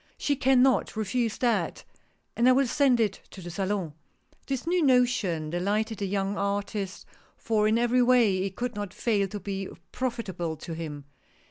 " She can not refuse that, and I will send it to the Salon." This new notion delighted the young artist, for in every way it could not fail to be profitable to him.